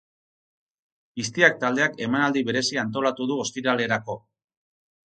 Piztiak taldeak emanaldi berezia antolatu du ostiralerako.